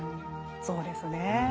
そうですねえ。